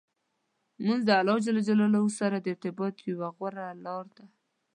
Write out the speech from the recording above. لمونځ د الله جل جلاله سره د ارتباط یوه غوره لار ده.